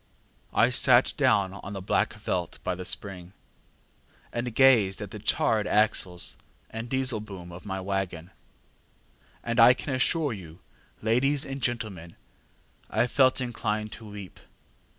ŌĆ£I sat down on the black veldt by the spring, and gazed at the charred axles and disselboom of my waggon, and I can assure you, ladies and gentlemen, I felt inclined to weep.